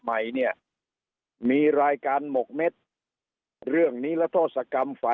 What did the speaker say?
ใหม่เนี่ยมีรายการหมกเม็ดเรื่องนิรโทษกรรมฝ่าย